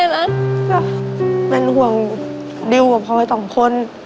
เป็นห่วงดิวกับพลอยสองคน